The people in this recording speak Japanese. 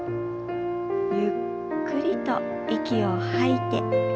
ゆっくりと息を吐いて。